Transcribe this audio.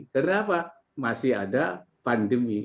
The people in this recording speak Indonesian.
kenapa masih ada pandemi